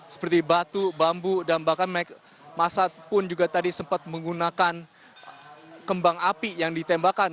seperti batu bambu dan bahkan masa pun juga tadi sempat menggunakan kembang api yang ditembakkan